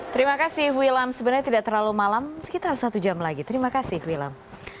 terima kasih wilam sebenarnya tidak terlalu malam sekitar satu jam lagi terima kasih wilam